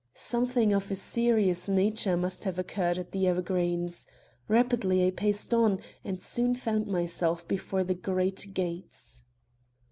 Something of a serious nature must have occurred at The Evergreens. Rapidly I paced on and soon found myself before the great gates.